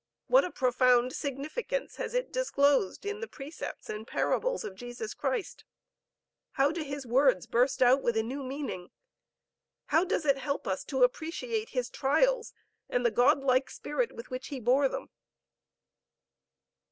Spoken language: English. What a profound significance has it disclosed in the precepts and parables of Jesus Christ! How do His words burst out with a new meaning! How does it help us to appreciate His trials and the Godlike spirit with which He bore them!"